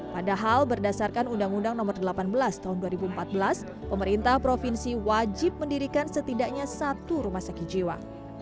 padahal berdasarkan undang undang nomor delapan belas tahun dua ribu empat belas pemerintah provinsi wajib mendirikan setidaknya satu rumah sakit jiwa